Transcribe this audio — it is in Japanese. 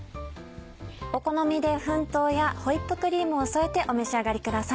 お好みで粉糖やホイップクリームを添えてお召し上がりください。